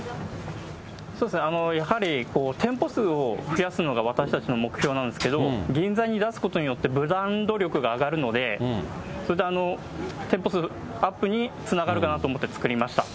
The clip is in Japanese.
そうですね、やはり店舗数を増やすのが私たちの目標なんですけど、銀座に出すことによって、ブランド力が上がるので、それで店舗数アップにつながるかなと思って作りました。